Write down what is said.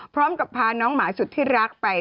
พร้อมกับพาน้องหมาสุดที่รักไป